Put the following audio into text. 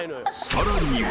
［さらには］